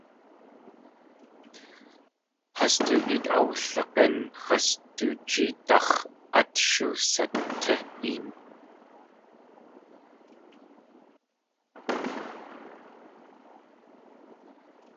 Has du éet awdlig̲ín, has du jeedáx̲ at shusatí een.